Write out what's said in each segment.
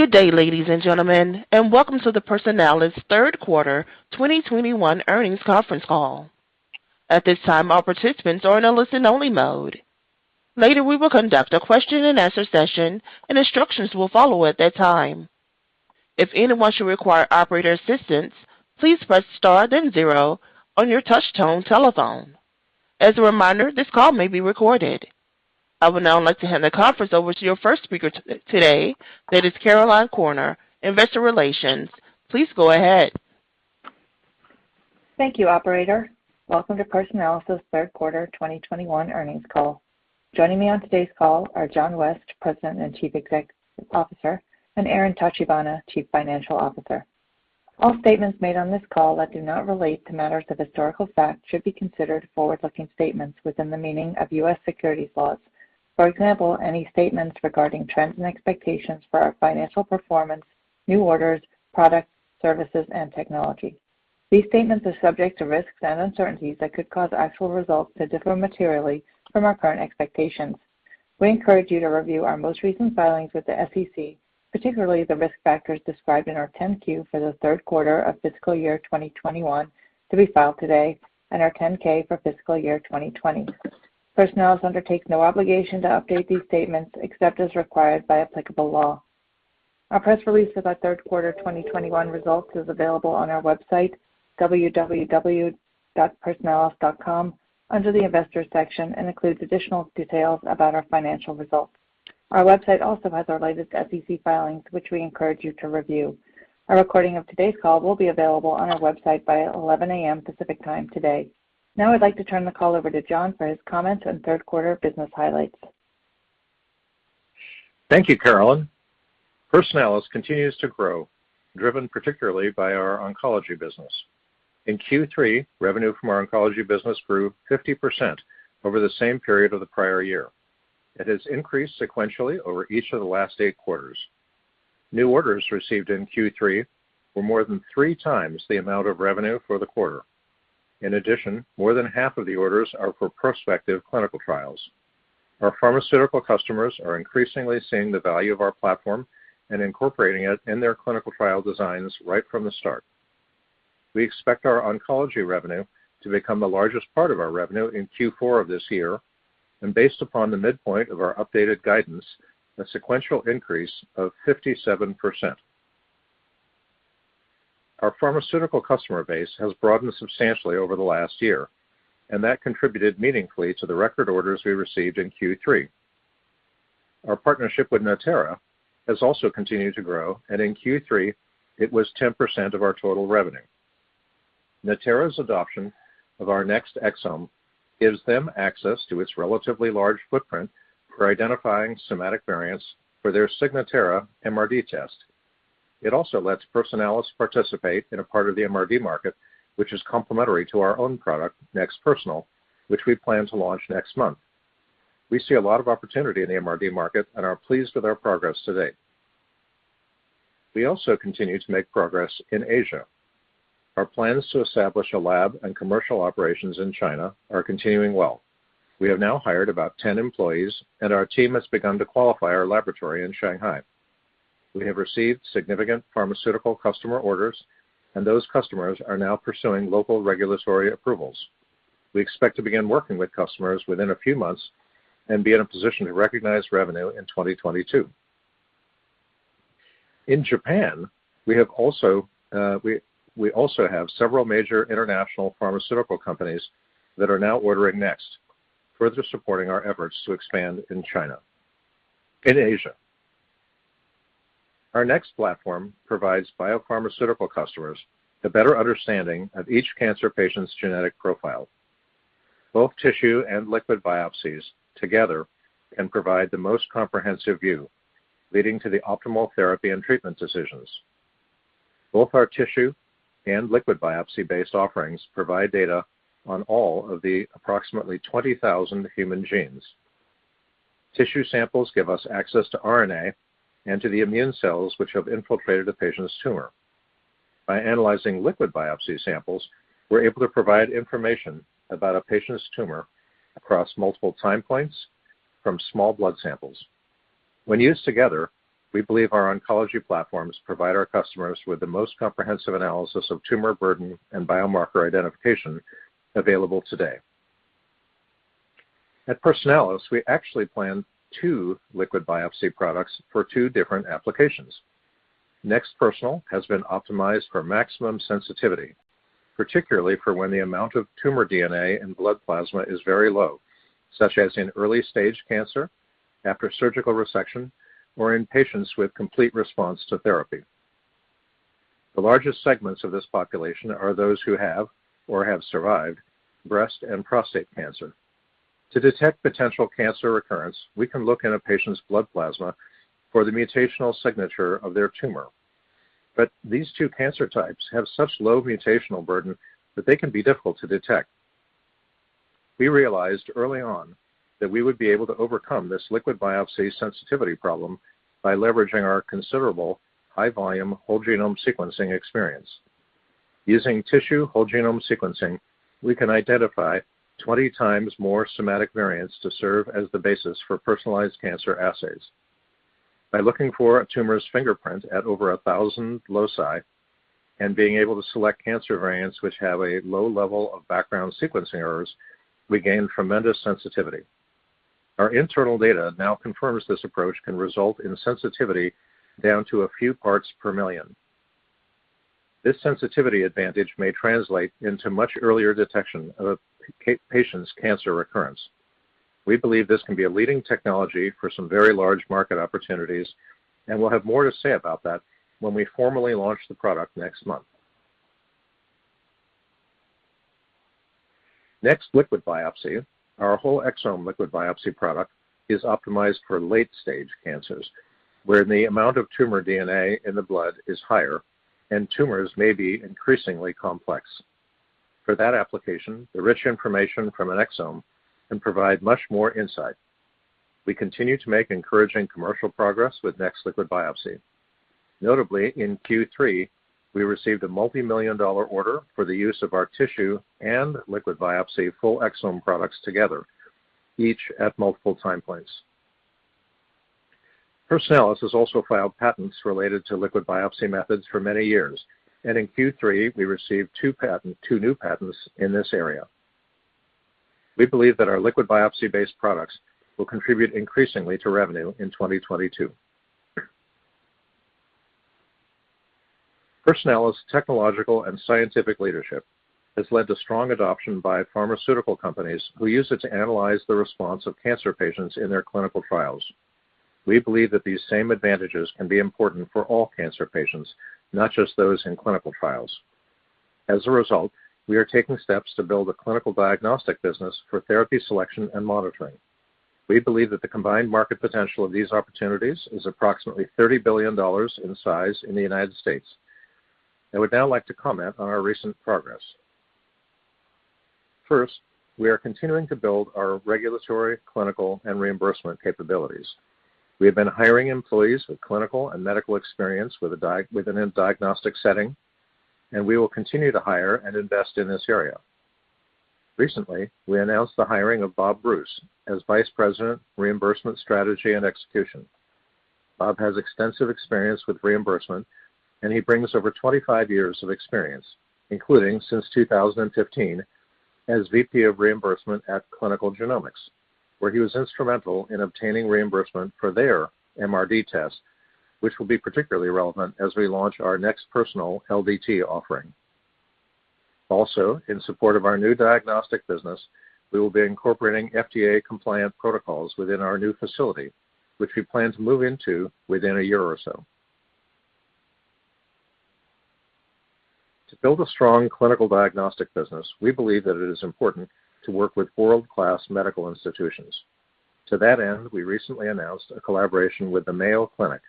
Good day, ladies and gentlemen, and welcome to the Personalis third quarter 2021 earnings conference call. At this time, all participants are in a listen-only mode. Later, we will conduct a question-and-answer session, and instructions will follow at that time. If anyone should require operator assistance, please press star then zero on your touchtone telephone. As a reminder, this call may be recorded. I would now like to hand the conference over to your first speaker today, that is Caroline Corner, Investor Relations. Please go ahead. Thank you, operator. Welcome to Personalis' third quarter 2021 earnings call. Joining me on today's call are John West, President and Chief Executive Officer, and Aaron Tachibana, Chief Financial Officer. All statements made on this call that do not relate to matters of historical fact should be considered forward-looking statements within the meaning of U.S. securities laws. For example, any statements regarding trends and expectations for our financial performance, new orders, products, services, and technology. These statements are subject to risks and uncertainties that could cause actual results to differ materially from our current expectations. We encourage you to review our most recent filings with the SEC, particularly the risk factors described in our 10-Q for the third quarter of fiscal year 2021 to be filed today and our 10-K for fiscal year 2020. Personalis undertakes no obligation to update these statements except as required by applicable law. Our press release for our third quarter 2021 results is available on our website, www.personalis.com, under the Investors section, and includes additional details about our financial results. Our website also has our latest SEC filings, which we encourage you to review. A recording of today's call will be available on our website by 11 A.M. Pacific Time today. Now I'd like to turn the call over to John for his comments on third quarter business highlights. Thank you, Caroline. Personalis continues to grow, driven particularly by our oncology business. In Q3, revenue from our oncology business grew 50% over the same period of the prior year. It has increased sequentially over each of the last eight quarters. New orders received in Q3 were more than three times the amount of revenue for the quarter. In addition, more than half of the orders are for prospective clinical trials. Our pharmaceutical customers are increasingly seeing the value of our platform and incorporating it in their clinical trial designs right from the start. We expect our oncology revenue to become the largest part of our revenue in Q4 of this year, and based upon the midpoint of our updated guidance, a sequential increase of 57%. Our pharmaceutical customer base has broadened substantially over the last year, and that contributed meaningfully to the record orders we received in Q3. Our partnership with Natera has also continued to grow, and in Q3, it was 10% of our total revenue. Natera's adoption of our NeXT Exome gives them access to its relatively large footprint for identifying somatic variants for their Signatera MRD test. It also lets Personalis participate in a part of the MRD market, which is complementary to our own product, NeXT Personal, which we plan to launch next month. We see a lot of opportunity in the MRD market and are pleased with our progress to date. We also continue to make progress in Asia. Our plans to establish a lab and commercial operations in China are continuing well. We have now hired about 10 employees, and our team has begun to qualify our laboratory in Shanghai. We have received significant pharmaceutical customer orders, and those customers are now pursuing local regulatory approvals. We expect to begin working with customers within a few months and be in a position to recognize revenue in 2022. In Japan, we also have several major international pharmaceutical companies that are now ordering NeXT, further supporting our efforts to expand in China. In Asia, our NeXT Platform provides biopharmaceutical customers a better understanding of each cancer patient's genetic profile. Both tissue and liquid biopsies together can provide the most comprehensive view, leading to the optimal therapy and treatment decisions. Both our tissue and liquid biopsy-based offerings provide data on all of the approximately 20,000 human genes. Tissue samples give us access to RNA and to the immune cells which have infiltrated a patient's tumor. By analyzing liquid biopsy samples, we're able to provide information about a patient's tumor across multiple time points from small blood samples. When used together, we believe our oncology platforms provide our customers with the most comprehensive analysis of tumor burden and biomarker identification available today. At Personalis, we actually plan two liquid biopsy products for two different applications. NeXT Personal has been optimized for maximum sensitivity, particularly for when the amount of tumor DNA in blood plasma is very low, such as in early-stage cancer, after surgical resection, or in patients with complete response to therapy. The largest segments of this population are those who have or have survived breast and prostate cancer. To detect potential cancer recurrence, we can look in a patient's blood plasma for the mutational signature of their tumor. These two cancer types have such low mutational burden that they can be difficult to detect. We realized early on that we would be able to overcome this liquid biopsy sensitivity problem by leveraging our considerable high-volume whole genome sequencing experience. Using tissue whole genome sequencing, we can identify 20 times more somatic variants to serve as the basis for personalized cancer assays. By looking for a tumor's fingerprint at over 1,000 loci and being able to select cancer variants which have a low level of background sequencing errors, we gain tremendous sensitivity. Our internal data now confirms this approach can result in sensitivity down to a few parts per million. This sensitivity advantage may translate into much earlier detection of a patient's cancer recurrence. We believe this can be a leading technology for some very large market opportunities, and we'll have more to say about that when we formally launch the product next month. NeXT Liquid Biopsy, our whole exome liquid biopsy product, is optimized for late-stage cancers, where the amount of tumor DNA in the blood is higher and tumors may be increasingly complex. For that application, the rich information from an exome can provide much more insight. We continue to make encouraging commercial progress with NeXT Liquid Biopsy. Notably, in Q3, we received a $multi-million order for the use of our tissue and liquid biopsy full exome products together, each at multiple time points. Personalis has also filed patents related to liquid biopsy methods for many years, and in Q3, we received two new patents in this area. We believe that our liquid biopsy-based products will contribute increasingly to revenue in 2022. Personalis' technological and scientific leadership has led to strong adoption by pharmaceutical companies who use it to analyze the response of cancer patients in their clinical trials. We believe that these same advantages can be important for all cancer patients, not just those in clinical trials. As a result, we are taking steps to build a clinical diagnostic business for therapy selection and monitoring. We believe that the combined market potential of these opportunities is approximately $30 billion in size in the United States, and we'd now like to comment on our recent progress. First, we are continuing to build our regulatory, clinical, and reimbursement capabilities. We have been hiring employees with clinical and medical experience within a diagnostic setting, and we will continue to hire and invest in this area. Recently, we announced the hiring of Bob Bruce as Vice President, Reimbursement Strategy and Execution. Bob has extensive experience with reimbursement, and he brings over 25 years of experience, including since 2015 as VP of reimbursement at Clinical Genomics, where he was instrumental in obtaining reimbursement for their MRD test, which will be particularly relevant as we launch our NeXT Personal LDT offering. Also, in support of our new diagnostic business, we will be incorporating FDA-compliant protocols within our new facility, which we plan to move into within a year or so. To build a strong clinical diagnostic business, we believe that it is important to work with world-class medical institutions. To that end, we recently announced a collaboration with the Mayo Clinic.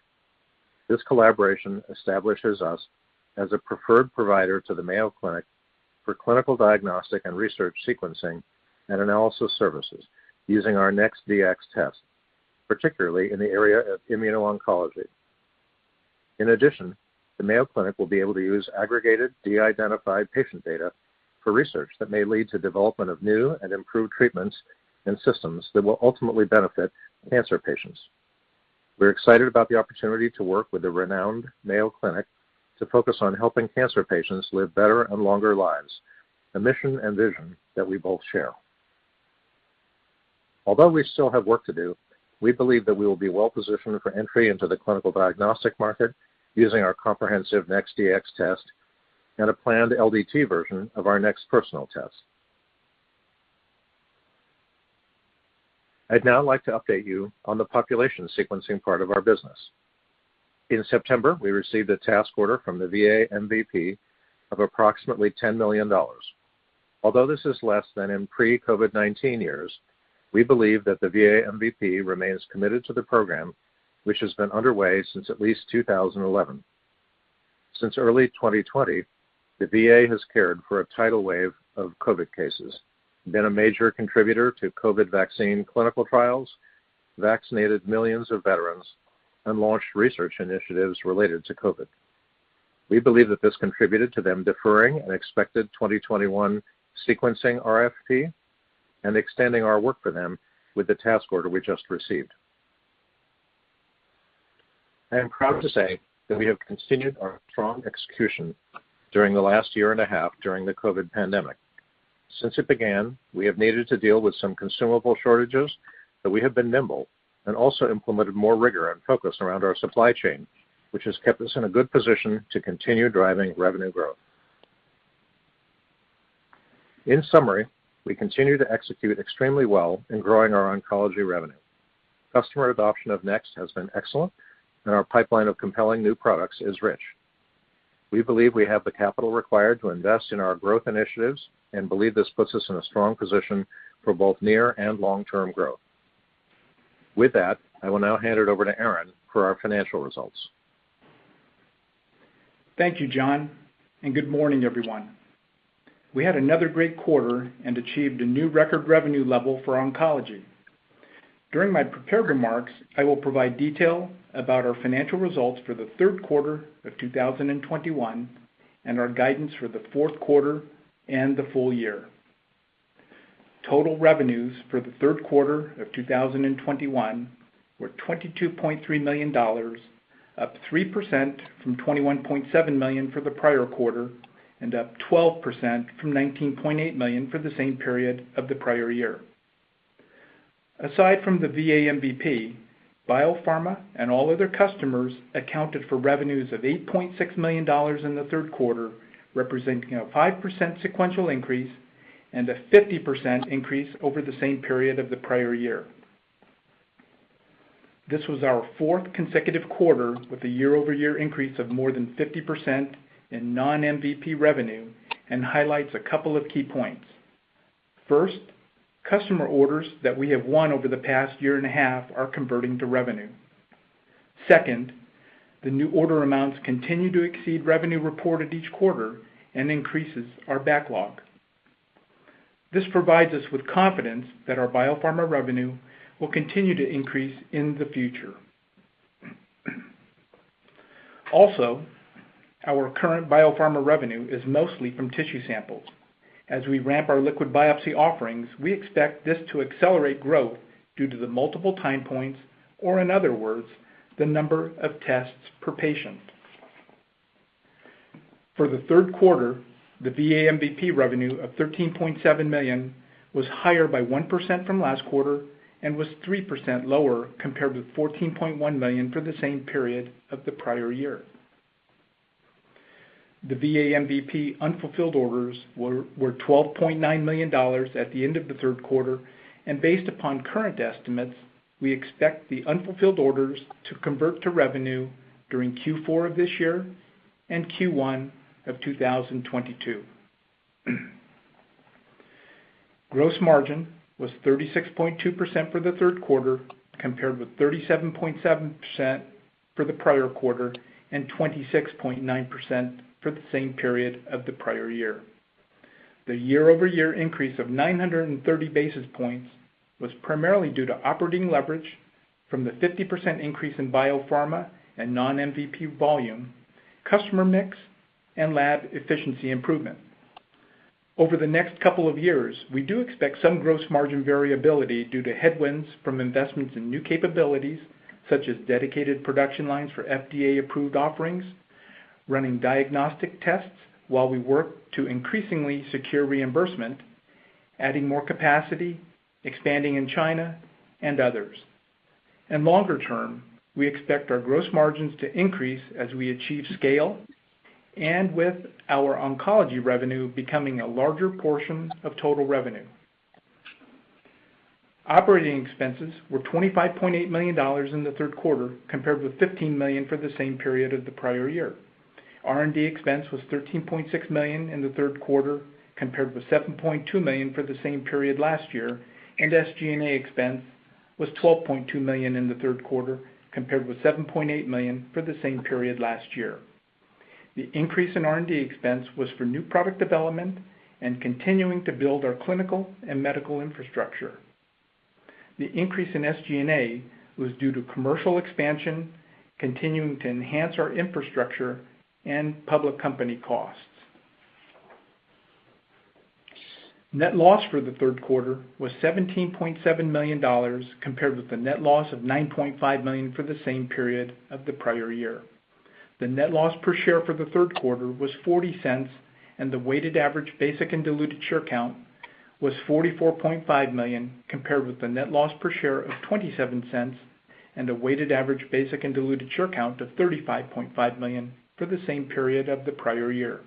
This collaboration establishes us as a preferred provider to the Mayo Clinic for clinical diagnostic and research sequencing and analysis services using our NeXT Dx test, particularly in the area of immuno-oncology. In addition, the Mayo Clinic will be able to use aggregated, de-identified patient data for research that may lead to development of new and improved treatments and systems that will ultimately benefit cancer patients. We're excited about the opportunity to work with the renowned Mayo Clinic to focus on helping cancer patients live better and longer lives, a mission and vision that we both share. Although we still have work to do, we believe that we will be well positioned for entry into the clinical diagnostic market using our comprehensive NeXT Dx test and a planned LDT version of our NeXT Personal test. I'd now like to update you on the population sequencing part of our business. In September, we received a task order from the VA MVP of approximately $10 million. Although this is less than in pre-COVID-19 years, we believe that the VA MVP remains committed to the program, which has been underway since at least 2011. Since early 2020, the VA has cared for a tidal wave of COVID cases, been a major contributor to COVID vaccine clinical trials, vaccinated millions of veterans, and launched research initiatives related to COVID. We believe that this contributed to them deferring an expected 2021 sequencing RFP and extending our work for them with the task order we just received. I am proud to say that we have continued our strong execution during the last year and a half during the COVID pandemic. Since it began, we have needed to deal with some consumable shortages, but we have been nimble and also implemented more rigor and focus around our supply chain, which has kept us in a good position to continue driving revenue growth. In summary, we continue to execute extremely well in growing our oncology revenue. Customer adoption of NeXT has been excellent, and our pipeline of compelling new products is rich. We believe we have the capital required to invest in our growth initiatives and believe this puts us in a strong position for both near and long-term growth. With that, I will now hand it over to Aaron for our financial results. Thank you, John, and good morning, everyone. We had another great quarter and achieved a new record revenue level for oncology. During my prepared remarks, I will provide detail about our financial results for the third quarter of 2021, and our guidance for the fourth quarter and the full year. Total revenues for the third quarter of 2021 were $22.3 million, up 3% from $21.7 million for the prior quarter, and up 12% from $19.8 million for the same period of the prior year. Aside from the VA MVP, biopharma and all other customers accounted for revenues of $8.6 million in the third quarter, representing a 5% sequential increase and a 50% increase over the same period of the prior year. This was our fourth consecutive quarter with a year-over-year increase of more than 50% in non-MVP revenue and highlights a couple of key points. First, customer orders that we have won over the past year and a half are converting to revenue. Second, the new order amounts continue to exceed revenue reported each quarter and increases our backlog. This provides us with confidence that our Biopharma revenue will continue to increase in the future. Also, our current Biopharma revenue is mostly from tissue samples. As we ramp our liquid biopsy offerings, we expect this to accelerate growth due to the multiple time points, or in other words, the number of tests per patient. For the third quarter, the VA MVP revenue of $13.7 million was higher by 1% from last quarter and was 3% lower compared with $14.1 million for the same period of the prior year. The VA MVP unfulfilled orders were $12.9 million at the end of the third quarter, and based upon current estimates, we expect the unfulfilled orders to convert to revenue during Q4 of this year and Q1 of 2022. Gross margin was 36.2% for the third quarter, compared with 37.7% for the prior quarter and 26.9% for the same period of the prior year. The year-over-year increase of 930 basis points was primarily due to operating leverage from the 50% increase in biopharma and non-MVP volume, customer mix, and lab efficiency improvement. Over the next couple of years, we do expect some gross margin variability due to headwinds from investments in new capabilities, such as dedicated production lines for FDA-approved offerings, running diagnostic tests while we work to increasingly secure reimbursement, adding more capacity, expanding in China, and others. Longer-term, we expect our gross margins to increase as we achieve scale and with our oncology revenue becoming a larger portion of total revenue. Operating expenses were $25.8 million in the third quarter, compared with $15 million for the same period of the prior year. R&D expense was $13.6 million in the third quarter, compared with $7.2 million for the same period last year, and SG&A expense was $12.2 million in the third quarter, compared with $7.8 million for the same period last year. The increase in R&D expense was for new product development and continuing to build our clinical and medical infrastructure. The increase in SG&A was due to commercial expansion, continuing to enhance our infrastructure, and public company costs. Net loss for the third quarter was $17.7 million, compared with the net loss of $9.5 million for the same period of the prior year. The net loss per share for the third quarter was $0.40, and the weighted average basic and diluted share count was 44.5 million, compared with the net loss per share of $0.27 and a weighted average basic and diluted share count of 35.5 million for the same period of the prior year.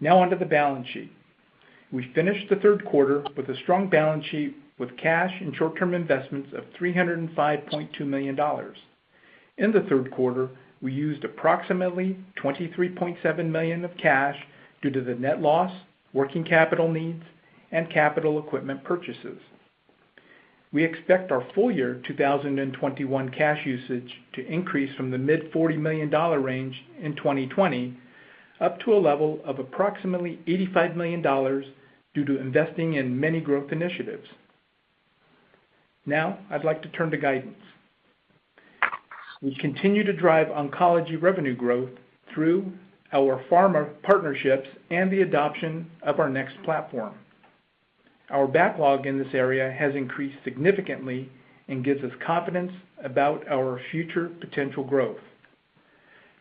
Now on to the balance sheet. We finished the third quarter with a strong balance sheet with cash and short-term investments of $305.2 million. In the third quarter, we used approximately $23.7 million of cash due to the net loss, working capital needs, and capital equipment purchases. We expect our full year 2021 cash usage to increase from the mid-$40 million range in 2020 up to a level of approximately $85 million due to investing in many growth initiatives. Now I'd like to turn to guidance. We continue to drive oncology revenue growth through our pharma partnerships and the adoption of our NeXT Platform. Our backlog in this area has increased significantly and gives us confidence about our future potential growth.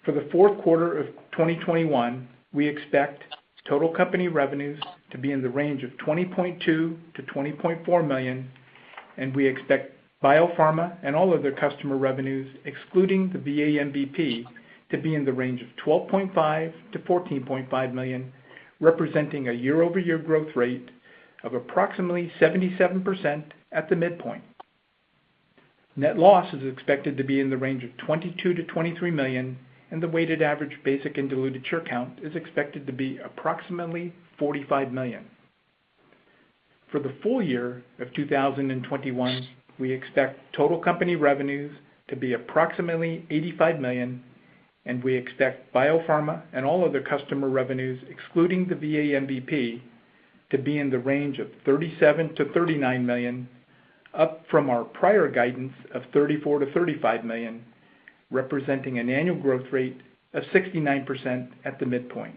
For the fourth quarter of 2021, we expect total company revenues to be in the range of $20.2 million-$20.4 million, and we expect biopharma and all other customer revenues, excluding the VA MVP, to be in the range of $12.5 million-$14.5 million, representing a year-over-year growth rate of approximately 77% at the midpoint. Net loss is expected to be in the range of $22 million-$23 million, and the weighted average basic and diluted share count is expected to be approximately 45 million. For the full year of 2021, we expect total company revenues to be approximately $85 million, and we expect biopharma and all other customer revenues, excluding the VA MVP, to be in the range of $37 million-$39 million, up from our prior guidance of $34 million-$35 million, representing an annual growth rate of 69% at the midpoint.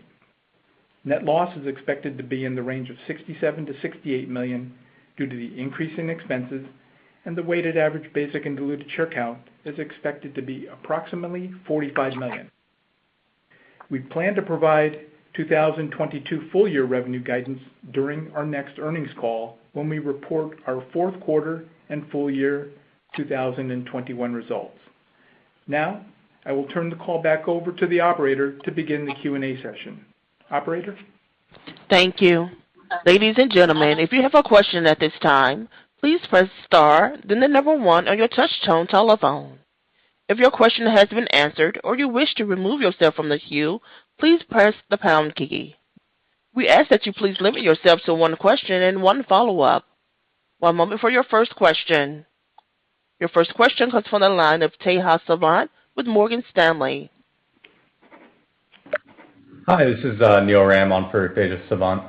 Net loss is expected to be in the range of $67 million-$68 million due to the increase in expenses and the weighted average basic and diluted share count is expected to be approximately 45 million. We plan to provide 2022 full year revenue guidance during our next earnings call when we report our fourth quarter and full year 2021 results. Now I will turn the call back over to the operator to begin the Q&A session. Operator? Thank you. Ladies and gentlemen, if you have a question at this time, please press star then the number one on your touch tone telephone. If your question has been answered or you wish to remove yourself from the queue, please press the pound key. We ask that you please limit yourself to one question and one follow-up. One moment for your first question. Your first question comes from the line of Tejas Savant with Morgan Stanley. Hi, this is Neel Ram on for Tejas Savant.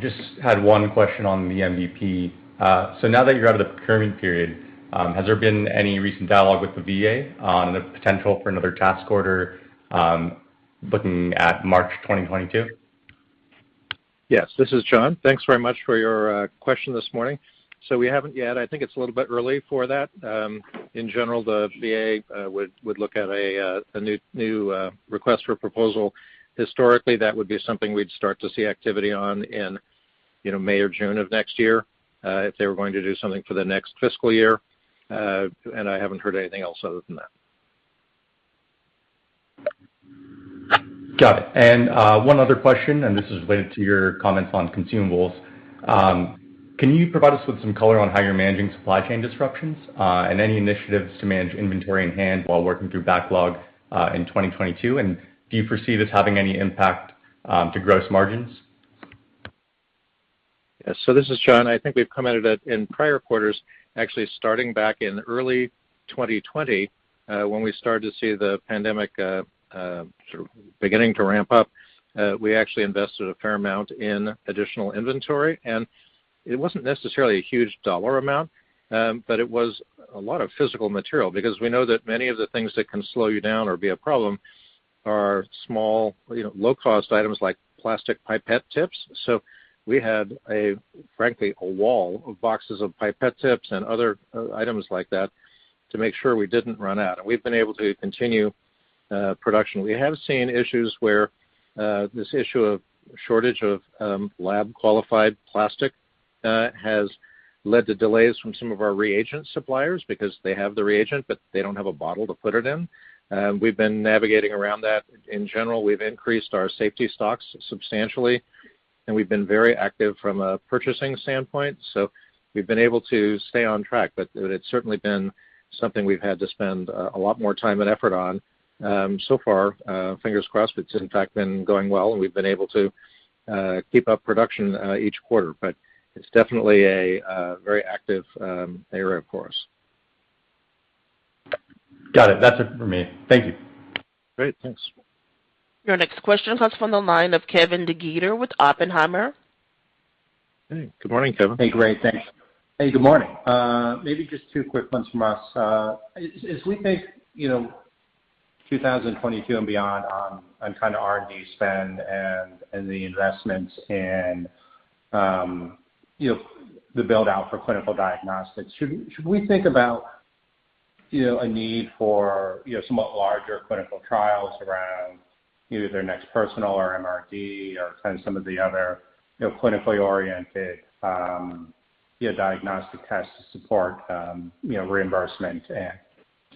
Just had one question on the MVP. Now that you're out of the procurement period, has there been any recent dialogue with the VA on the potential for another task order, looking at March 2022? Yes. This is John. Thanks very much for your question this morning. We haven't yet. I think it's a little bit early for that. In general, the VA would look at a new request for proposal. Historically, that would be something we'd start to see activity on in, you know, May or June of next year, if they were going to do something for the next fiscal year. I haven't heard anything else other than that. Got it. One other question, and this is related to your comments on consumables. Can you provide us with some color on how you're managing supply chain disruptions, and any initiatives to manage inventory on hand while working through backlog, in 2022? Do you foresee this having any impact to gross margins? Yes. This is John. I think we've commented on it in prior quarters, actually starting back in early 2020, when we started to see the pandemic sort of beginning to ramp up. We actually invested a fair amount in additional inventory, and it wasn't necessarily a huge dollar amount, but it was a lot of physical material because we know that many of the things that can slow you down or be a problem are small, you know, low-cost items like plastic pipette tips. We had, frankly, a wall of boxes of pipette tips and other items like that to make sure we didn't run out, and we've been able to continue production. We have seen issues where this issue of shortage of lab qualified plastic has led to delays from some of our reagent suppliers because they have the reagent, but they don't have a bottle to put it in. We've been navigating around that. In general, we've increased our safety stocks substantially, and we've been very active from a purchasing standpoint, so we've been able to stay on track. It's certainly been something we've had to spend a lot more time and effort on. So far, fingers crossed, it's in fact been going well, and we've been able to keep up production each quarter. It's definitely a very active area for us. Got it. That's it for me. Thank you. Great. Thanks. Your next question comes from the line of Kevin DeGeeter with Oppenheimer. Hey, good morning, Kevin. Hey, great, thanks. Hey, good morning. Maybe just two quick ones from us. As we think, you know, 2022 and beyond on kind of R&D spend and the investments and, you know, the build-out for clinical diagnostics, should we think about, you know, a need for, you know, somewhat larger clinical trials around either NeXT Personal or MRD or kind of some of the other, you know, clinically oriented, you know, diagnostic tests to support, you know, reimbursement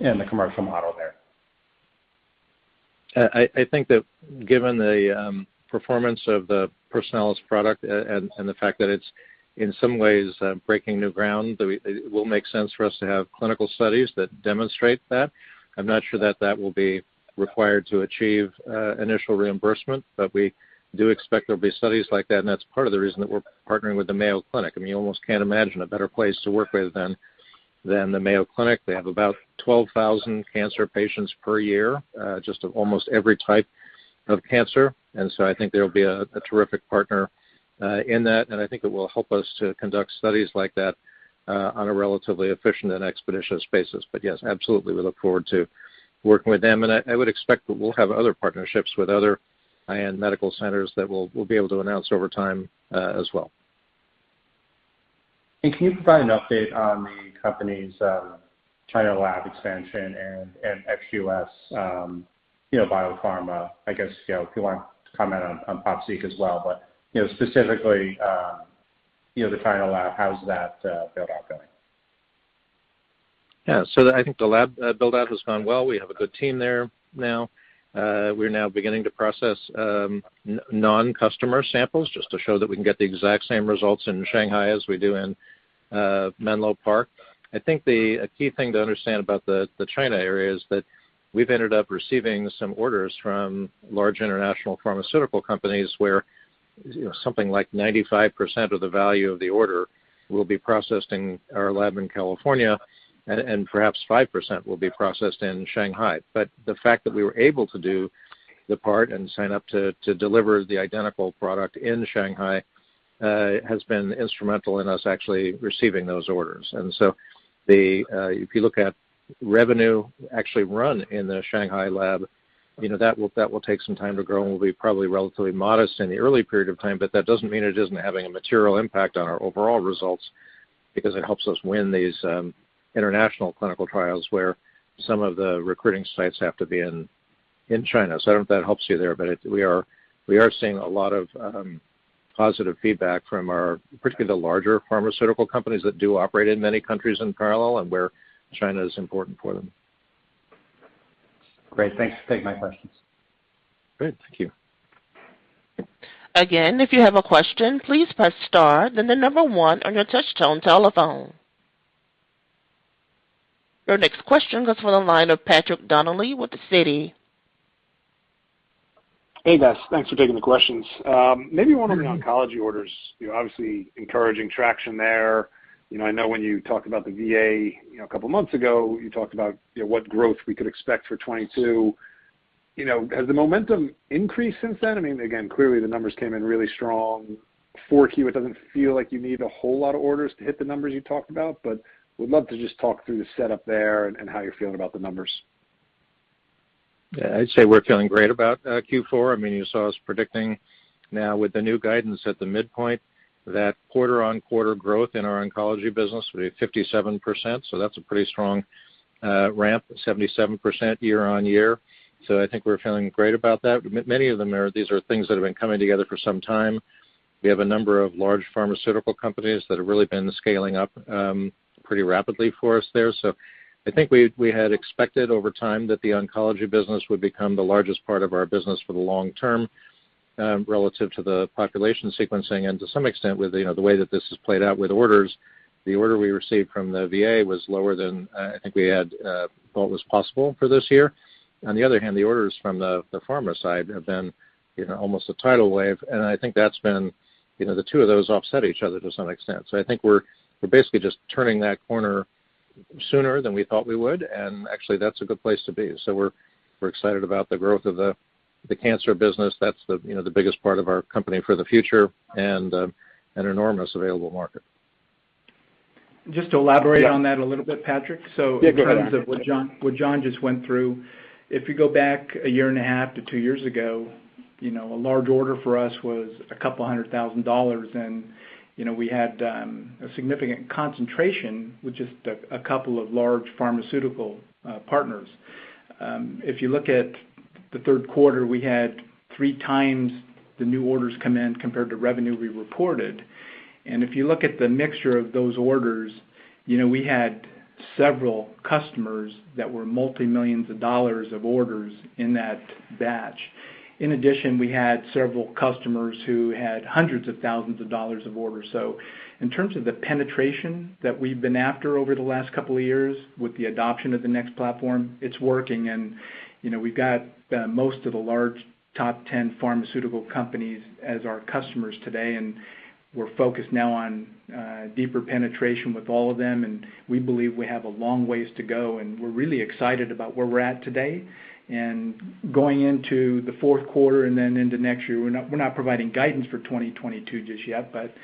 and the commercial model there? I think that given the performance of the Personalis product and the fact that it's in some ways breaking new ground, that it will make sense for us to have clinical studies that demonstrate that. I'm not sure that will be required to achieve initial reimbursement, but we do expect there'll be studies like that, and that's part of the reason that we're partnering with the Mayo Clinic. I mean, you almost can't imagine a better place to work with than the Mayo Clinic. They have about 12,000 cancer patients per year, just of almost every type of cancer. I think they'll be a terrific partner in that, and I think it will help us to conduct studies like that on a relatively efficient and expeditious basis. Yes, absolutely, we look forward to working with them. I would expect that we'll have other partnerships with other high-end medical centers that we'll be able to announce over time, as well. Can you provide an update on the company's China lab expansion and ex-US biopharma? I guess, you know, if you want to comment on POPSEQ as well, but, you know, specifically, you know, the China lab, how's that build-out going? Yeah. I think the lab build-out has gone well. We have a good team there now. We're now beginning to process non-customer samples just to show that we can get the exact same results in Shanghai as we do in Menlo Park. I think a key thing to understand about the China area is that we've ended up receiving some orders from large international pharmaceutical companies where, you know, something like 95% of the value of the order will be processed in our lab in California and perhaps 5% will be processed in Shanghai. The fact that we were able to do the part and sign up to deliver the identical product in Shanghai has been instrumental in us actually receiving those orders. If you look at revenue actually run in the Shanghai lab, you know, that will take some time to grow and will be probably relatively modest in the early period of time, but that doesn't mean it isn't having a material impact on our overall results because it helps us win these international clinical trials where some of the recruiting sites have to be in China. I don't know if that helps you there, but we are seeing a lot of positive feedback, particularly from the larger pharmaceutical companies that do operate in many countries in parallel and where China is important for them. Great. Thanks for taking my questions. Great. Thank you. Again, if you have a question, please press star then the number one on your touch tone telephone. Your next question comes from the line of Patrick Donnelly with Citi. Hey, guys. Thanks for taking the questions. Maybe one on the oncology orders. You're obviously encouraging traction there. You know, I know when you talked about the VA, you know, a couple of months ago, you talked about, you know, what growth we could expect for 2022. You know, has the momentum increased since then? I mean, again, clearly the numbers came in really strong. 4Q, it doesn't feel like you need a whole lot of orders to hit the numbers you talked about, but would love to just talk through the setup there and how you're feeling about the numbers. Yeah. I'd say we're feeling great about Q4. I mean, you saw us predicting now with the new guidance at the midpoint that quarter-on-quarter growth in our oncology business will be at 57%, so that's a pretty strong ramp, 77% year-on-year. I think we're feeling great about that. These are things that have been coming together for some time. We have a number of large pharmaceutical companies that have really been scaling up pretty rapidly for us there. I think we had expected over time that the oncology business would become the largest part of our business for the long term relative to the population sequencing. To some extent, with you know the way that this has played out with orders, the order we received from the VA was lower than I think we had thought was possible for this year. On the other hand, the orders from the pharma side have been you know almost a tidal wave. I think that's been you know the two of those offset each other to some extent. I think we're basically just turning that corner sooner than we thought we would, and actually that's a good place to be. We're excited about the growth of the cancer business. That's you know the biggest part of our company for the future and an enormous available market. Just to elaborate on that a little bit, Patrick. Yeah, go ahead. In terms of what John just went through, if you go back a year and a half to two years ago, a large order for us was a couple hundred thousand dollars and we had a significant concentration with just a couple of large pharmaceutical partners. If you look at the third quarter, we had three times the new orders come in compared to revenue we reported. If you look at the mixture of those orders, we had several customers that were multi-millions of dollars of orders in that batch. In addition, we had several customers who had hundreds of thousands of dollars of orders. In terms of the penetration that we've been after over the last couple of years with the adoption of the NeXT Platform, it's working and, you know, we've got most of the large top 10 pharmaceutical companies as our customers today, and we're focused now on deeper penetration with all of them, and we believe we have a long ways to go, and we're really excited about where we're at today. Going into the fourth quarter and then into next year, we're not providing guidance for 2022 just yet, but,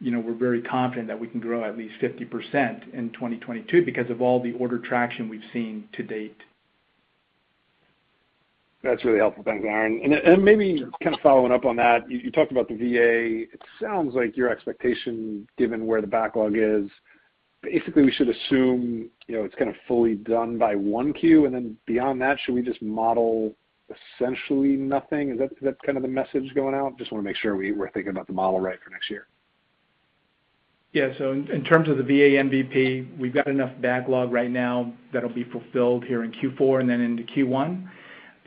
you know, we're very confident that we can grow at least 50% in 2022 because of all the order traction we've seen to date. That's really helpful. Thanks, Aaron. Maybe kind of following up on that, you talked about the VA. It sounds like your expectation, given where the backlog is, basically we should assume, you know, it's kind of fully done by 1Q. Beyond that, should we just model essentially nothing? Is that kind of the message going out? Just wanna make sure we're thinking about the model right for next year. Yeah. In terms of the VA MVP, we've got enough backlog right now that'll be fulfilled here in Q4 and then into Q1.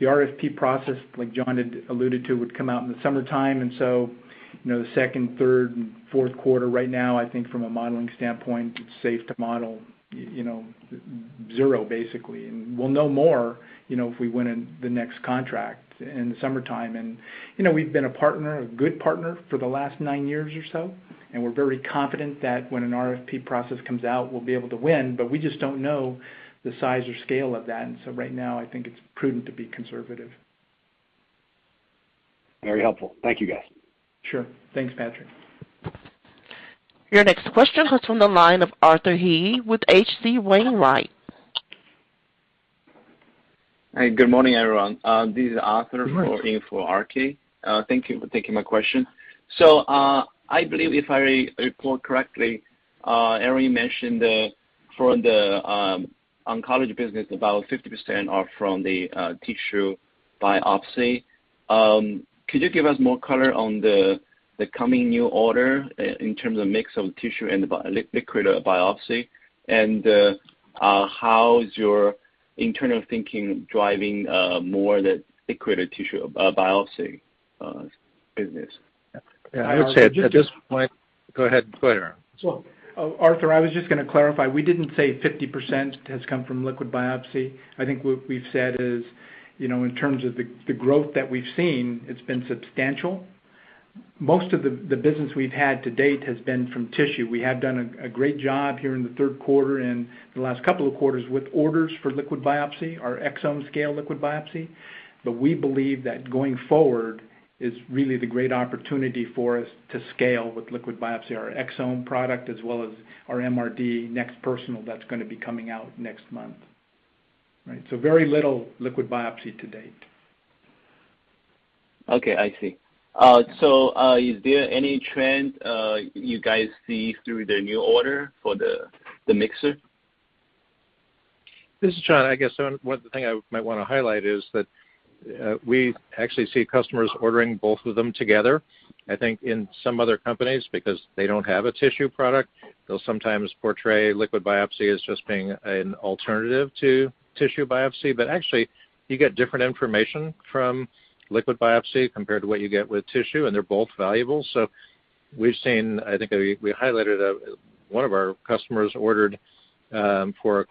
The RFP process, like John had alluded to, would come out in the summertime. You know, the second, third, and fourth quarter right now, I think from a modeling standpoint, it's safe to model you know, zero basically. We'll know more, you know, if we win in the next contract in the summertime. You know, we've been a partner, a good partner for the last nine years or so, and we're very confident that when an RFP process comes out, we'll be able to win, but we just don't know the size or scale of that. Right now I think it's prudent to be conservative. Very helpful. Thank you, guys. Sure. Thanks, Patrick. Your next question comes from the line of Arthur He with H.C. Wainwright. Hi, good morning, everyone. This is Arthur. Good morning. Calling in for RK. Thank you for taking my question. I believe if I recall correctly, Aaron mentioned for the oncology business, about 50% are from the tissue biopsy. Could you give us more color on the coming new order in terms of mix of tissue and the liquid biopsy? How is your internal thinking driving more the liquid tissue biopsy business? I would say at this point. Go ahead. Oh, Arthur, I was just going to clarify. We didn't say 50% has come from liquid biopsy. I think what we've said is, you know, in terms of the growth that we've seen, it's been substantial. Most of the business we've had to date has been from tissue. We have done a great job here in the third quarter and the last couple of quarters with orders for liquid biopsy, our exome-scale liquid biopsy. We believe that going forward is really the great opportunity for us to scale with liquid biopsy, our exome product as well as our MRD NeXT Personal that's going to be coming out next month. Right. Very little liquid biopsy to date. Okay, I see. Is there any trend you guys see through the new order for the mixer? This is John. I guess one thing I might want to highlight is that we actually see customers ordering both of them together. I think in some other companies, because they don't have a tissue product, they'll sometimes portray liquid biopsy as just being an alternative to tissue biopsy. Actually, you get different information from liquid biopsy compared to what you get with tissue, and they're both valuable. We've seen. I think we highlighted one of our customers ordered for a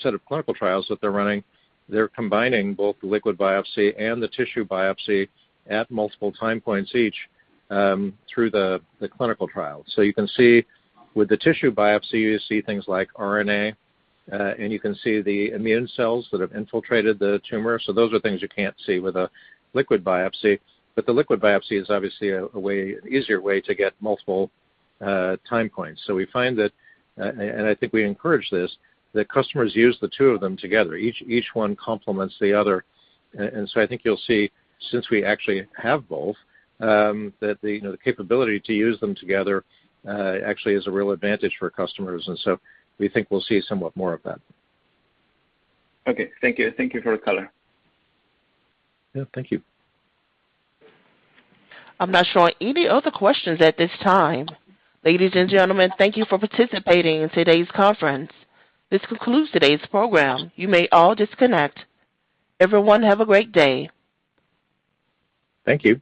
set of clinical trials that they're running. They're combining both the liquid biopsy and the tissue biopsy at multiple time points each through the clinical trial. You can see with the tissue biopsy, you see things like RNA, and you can see the immune cells that have infiltrated the tumor. Those are things you can't see with a liquid biopsy. The liquid biopsy is obviously a way easier way to get multiple time points. We find that, and I think we encourage this, that customers use the two of them together. Each one complements the other. I think you'll see, since we actually have both, that you know the capability to use them together actually is a real advantage for customers, and so we think we'll see somewhat more of that. Okay, thank you. Thank you for the color. Yeah, thank you. I'm not showing any other questions at this time. Ladies and gentlemen, thank you for participating in today's conference. This concludes today's program. You may all disconnect. Everyone, have a great day. Thank you.